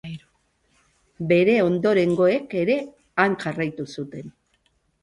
Bere ondorengoek ere han jarraitu zuten.